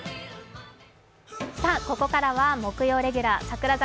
ここからは木曜レギュラー櫻坂